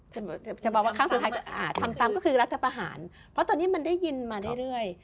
ทำซ้ำก็คือรัฐประหารเพราะตอนนี้มันได้ยินมาได้เรื่อย